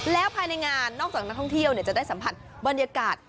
แล้วภายในงานนอกจากนักท่องเที่ยวจะได้สัมผัสบรรยากาศ